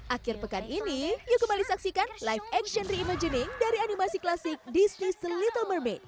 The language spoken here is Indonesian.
akhir pekan ini yuk kembali saksikan live action reimagining dari animasi klasik disney's the little mermaid